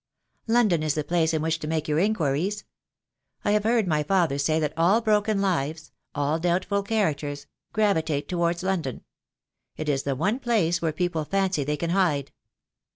London is the place in which to make your inquiries. I have heard my father say that all broken lives — all doubtful characters — gravitate to wards London. It is the one place where people fancy they can hide."